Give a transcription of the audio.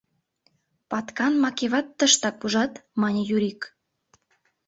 — Паткан Макеват тыштак, ужат, — мане Юрик.